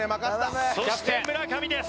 そして村上です。